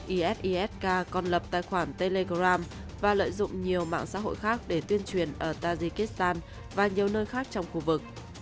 isisk còn lập tài khoản telegram và lợi dụng nhiều mạng xã hội khác để tuyên truyền ở tajikistan và nhiều nơi khác trong khu vực